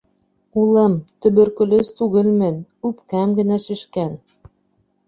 — Улым, төбөркөлөз түгелмен, үпкәм генә шешкән.